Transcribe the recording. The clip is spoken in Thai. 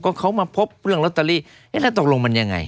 ก็เขามาพบเรื่องลอตเตอรี่เอ๊ะแล้วตกลงมันยังไง